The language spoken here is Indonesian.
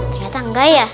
ternyata enggak ya